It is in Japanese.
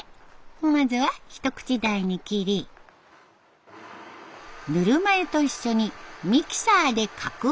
まずは一口大に切りぬるま湯と一緒にミキサーでかくはん。